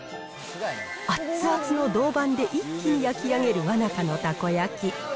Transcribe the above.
あっつあつの銅板で一気に焼き上げるわなかのたこ焼き。